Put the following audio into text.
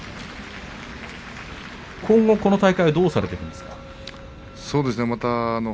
今後この大会はどうされていくんですか？